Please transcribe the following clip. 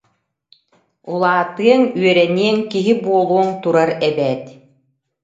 Улаатыаҥ, үөрэниэҥ, киһи буолуоҥ турар эбээт!